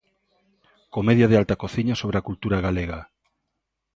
Comedia de alta cociña sobre a cultura galega.